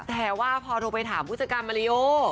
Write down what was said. แต่ว่าพอโทรไปถามผู้จัดการมาริโอ